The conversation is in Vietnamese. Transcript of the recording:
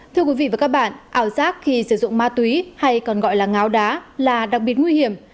thưa quý vị và các bạn ảo giác khi sử dụng ma túy hay còn gọi là ngáo đá là đặc biệt nguy hiểm